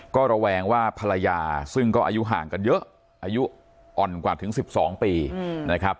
ก็ระแวงว่าภรรยาซึ่งก็อายุห่างกันเยอะอายุอ่อนกว่าถึง๑๒ปีนะครับ